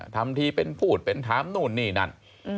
ทำที่ผู้อุดเป็นถามนู่นนี่นั้น